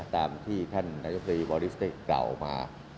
ตามที่ท่านนายกตรีวอลิสได้กล่าวมา